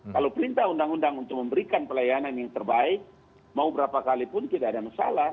kalau perintah undang undang untuk memberikan pelayanan yang terbaik mau berapa kalipun tidak ada masalah